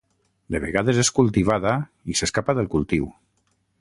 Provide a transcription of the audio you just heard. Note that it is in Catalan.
De vegades és cultivada i s'escapa del cultiu.